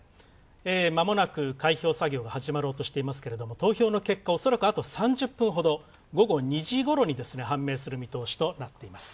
まもなく開票作業が始まろうとしていますが投票の結果、恐らく、あと３０分ほど午後２時ごろに判明する見通しとなっています。